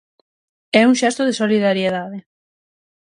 E un xesto de solidariedade.